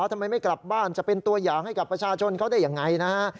ทำไมไม่กลับบ้านจะเป็นตัวอย่างให้กับประชาชนเขาได้ยังไงนะฮะ